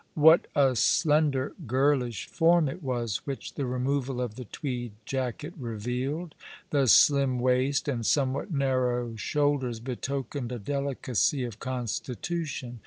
What a slender, girlish form it was which the removal of the tweed jacket revealed ! Tbe slim waist and somewhat narrow shoulders betokened a delicacy of constitution.